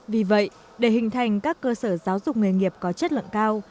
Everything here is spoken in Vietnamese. vì vậy để hình thành các cơ sở giáo dục nghề nghiệp có chất lượng cao